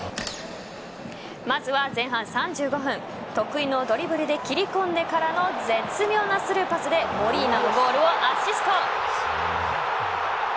まずは前半３５分得意のドリブルで切り込んでからの絶妙なスルーパスでモリーナのゴールをアシスト。